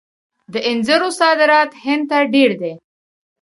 د انځرو صادرات هند ته ډیر دي.